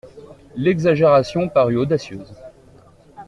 L'exagération parut audacieuse.